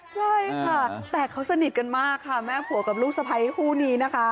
ใช่ค่ะแต่เขาสนิทกันมากค่ะแม่ผัวกับลูกสะพ้ายคู่นี้นะคะ